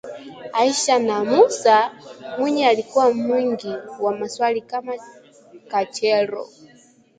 Aisha na Musa? Mwinyi alikuwa mwingi wa maswali kama kachero